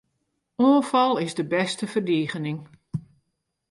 Oanfal is de bêste ferdigening.